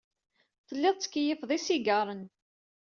Telliḍ tettkeyyifeḍ isigaṛen.